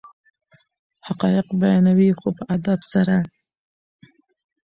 حقایق بیانوي خو په ادب سره.